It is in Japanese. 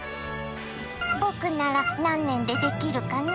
僕なら何年で出来るかな？